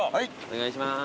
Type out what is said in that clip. お願いします。